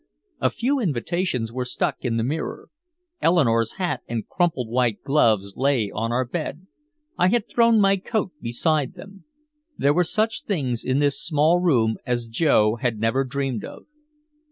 A few invitations were stuck in the mirror. Eleanore's hat and crumpled white gloves lay on our bed. I had thrown my coat beside them. There were such things in this small room as Joe had never dreamed of.